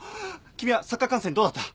君はサッカー観戦どうだった？